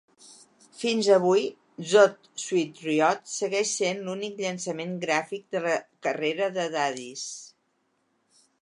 Fins a avui, "Zoot Suit Riot" segueix sent l'únic llançament gràfic de la carrera de Daddies.